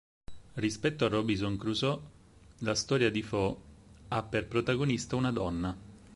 Rispetto a "Robinson Crusoe", la storia di "Foe" ha per protagonista una donna.